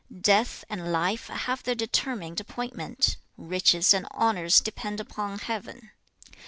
'"Death and life have their determined appointment; riches and honours depend upon Heaven."